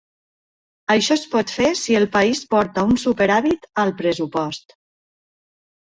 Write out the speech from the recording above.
Això es pot fer si el país porta un superàvit al pressupost.